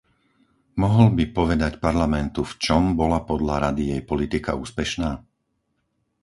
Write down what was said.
Mohol by povedať Parlamentu, v čom bola podľa Rady jej politika úspešná?